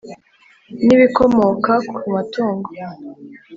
n ibikomoka ku matungo